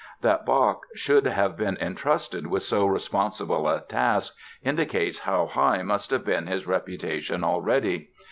That Bach should have been entrusted with so responsible a task indicates how high must have been his reputation already.